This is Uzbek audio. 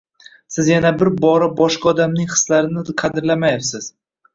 Siz yana bir bora boshqa odamning hislarini qadrlamayapsiz.